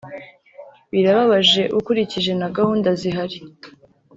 Birababaje ukurikije na gahunda zihari